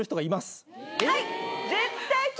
はい！